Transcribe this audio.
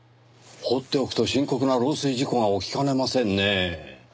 放っておくと深刻な漏水事故が起きかねませんねぇ。